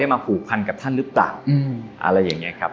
มาผูกพันกับท่านหรือเปล่า